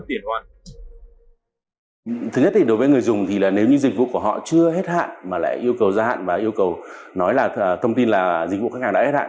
thứ nhất thì đối với người dùng thì nếu như dịch vụ của họ chưa hết hạn mà lại yêu cầu gia hạn và yêu cầu nói là thông tin là dịch vụ khách hàng đã hết hạn